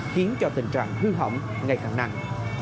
khiến cho tình trạng hư hỏng ngày càng nặng